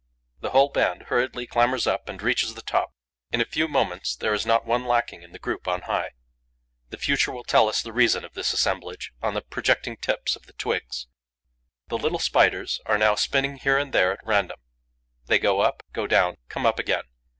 The whole band hurriedly clambers up and reaches the top. In a few moments there is not one lacking in the group on high. The future will tell us the reason of this assemblage on the projecting tips of the twigs. The little Spiders are now spinning here and there at random: they go up, go down, come up again.